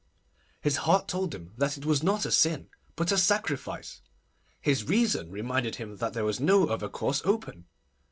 His heart told him that it was not a sin, but a sacrifice; his reason reminded him that there was no other course open.